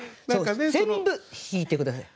全部引いて下さい。